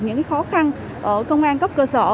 những khó khăn ở công an cấp cơ sở